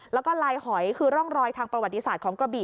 แล้วก็ลายหอยคือร่องรอยทางประวัติศาสตร์ของกระบี่